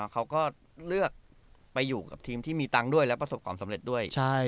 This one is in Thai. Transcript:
เขาก็เลือกไปอยู่กับทีมที่มีตังค์ด้วยและประสบความสำเร็จด้วย